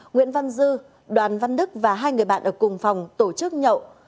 nguyễn văn dư đoàn văn đức và hai người bạn ở cùng phòng tổ chức nhậu